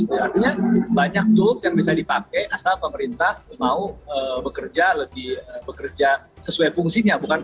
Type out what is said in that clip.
artinya banyak tools yang bisa dipakai asal pemerintah mau bekerja lebih bekerja sesuai fungsinya